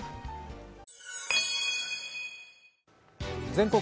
「全国！